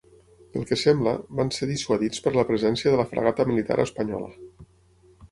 Pel que sembla, van ser dissuadits per la presència de la fragata militar espanyola.